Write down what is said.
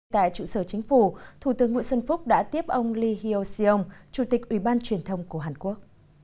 tại trụ sở chính phủ thủ tướng nguyễn xuân phúc đã tiếp ông lee hyo seong chủ tịch ủy ban truyền thông của hàn quốc